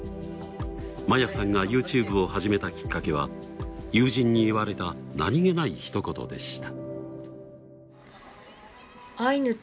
摩耶さんがＹｏｕＴｕｂｅを始めたきっかけは友人に言われた何気ないひと言でした。